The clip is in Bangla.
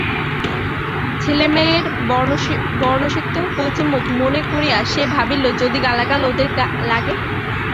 ছেলেমেয়ের বর্ষণসিক্ত কচিমুখ মনে করিয়া সে ভাবিল যদি গালাগাল ওদের লাগে!